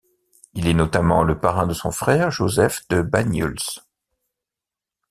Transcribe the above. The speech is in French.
Il est notamment le parrain de son frère Joseph de Banyuls.